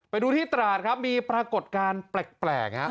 ไปดูที่ตราดครับมีปรากฏการณ์แปลก